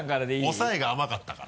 押さえが甘かったから。